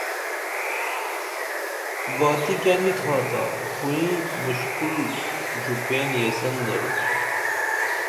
باتی کیہ نی تھاتا خوئیں مُشکل ژُپیئں یسین درو